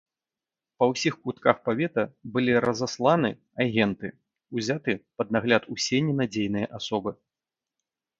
Па ўсіх кутках павета былі разасланы агенты, узяты пад нагляд усе ненадзейныя асобы.